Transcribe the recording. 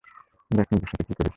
দেখ নিজের সাথে কী করি!